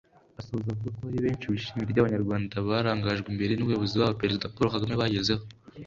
Asoza avuga ko hari benshi bishimira ibyo Abanyarwanda barangajwe imbere n’Umuyobozi wabo Perezida Paul Kagame bagezeho